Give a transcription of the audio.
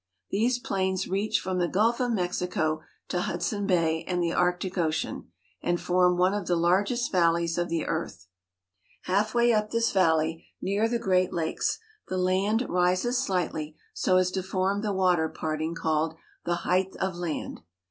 These plains reach from the Gulf of Mexico to Hudson Bay and the Arctic Ocean, and form one of the largest valleys of the earth. Halfway up this valley, near the Great Lakes, the land rises slightly so as to form the water parting called the Height of Land.